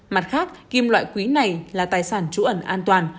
mặt khác kim loại quý này là tài sản trú ẩn an toàn